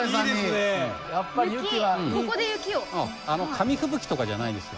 紙吹雪とかじゃないですよ。